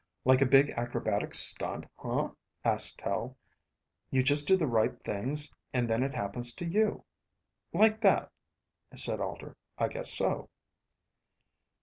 "Like a big acrobatic stunt, huh?" asked Tel. "You just do the right things and then it happens to you." "Like that," said Alter. "I guess so."